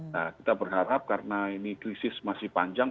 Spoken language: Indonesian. nah kita berharap karena ini krisis masih panjang